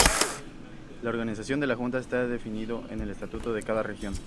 La organización de la Junta está definido en el estatuto de cada Región.